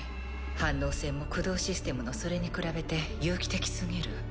反応性も駆動システムのそれに比べて有機的すぎる。